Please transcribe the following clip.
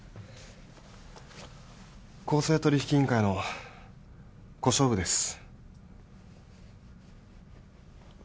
公正取引委員会の小勝負です。